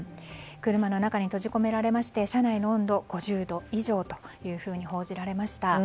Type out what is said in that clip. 車の中に閉じ込められまして車内の温度、５０度以上というふうに報じられました。